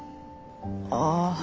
ああ。